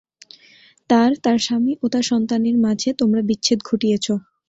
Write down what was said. তার, তার স্বামী ও তার সন্তানের মাঝে তোমরা বিচ্ছেদ ঘটিয়েছ।